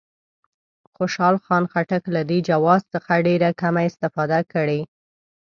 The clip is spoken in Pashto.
خوشحال خان خټک له دې جواز څخه ډېره کمه استفاده کړې.